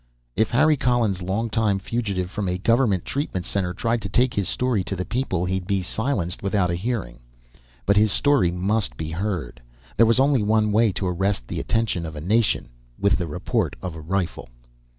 If Harry Collins, longtime fugitive from a government treatment center, tried to take his story to the people, he'd be silenced without a hearing. But his story must be heard. There was only one way to arrest the attention of a nation with the report of a rifle.